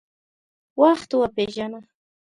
وخت وپیژنه.